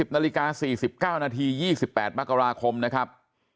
นาฬิกา๔๙นาที๒๘มกราคมนะครับ